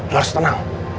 lu harus tenang